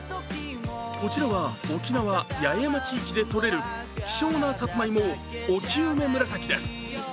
こちらは沖縄・八重山地域でとれる希少なさつまいも沖夢紫です。